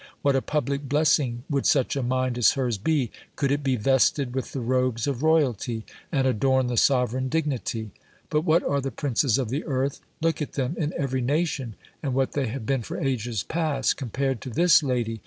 What a public blessing would such a mind as hers be, could it be vested with the robes of royalty, and adorn the sovereign dignity! But what are the princes of the earth, look at them in every nation, and what they have been for ages past, compared to this lady?